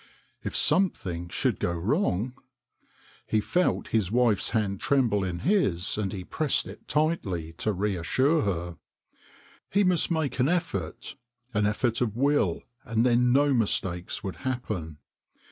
If something should go wrong he felt his wife's hand tremble in his, and he pressed it 200 THE CONJURER tightly to reassure her. He must make an effort, an effort of will, and then no mistakes would happen.